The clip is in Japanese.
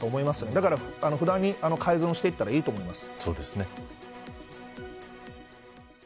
だから改善していったらいいと思います。